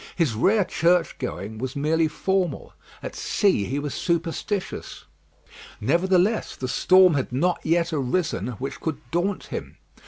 His rare churchgoing was merely formal. At sea he was superstitious. Nevertheless, the storm had never yet arisen which could daunt him.